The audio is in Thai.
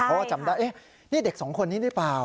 พ่อจำได้นี่เด็ก๒คนนี้หรือเปล่า